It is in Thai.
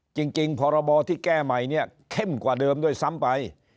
จริงพรบที่แก้ใหม่เนี่ยเข้มกว่าเดิมด้วยซ้ำไป